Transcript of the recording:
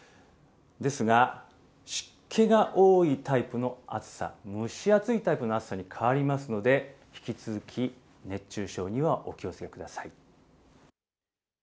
ですが、湿気が多いタイプの暑さ、蒸し暑いタイプの暑さに変わりますので、引き続き熱中症にはお気をつけください。